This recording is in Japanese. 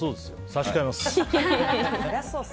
差し替えます。